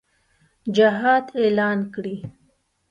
جهاد اعلان کړي.